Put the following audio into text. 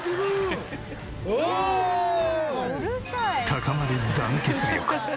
高まる団結力！